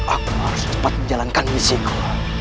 aku harus cepat menjalankan misiku